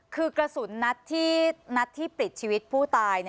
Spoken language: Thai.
คือกระสุนนัดที่ปลิดชีวิตผู้ตาย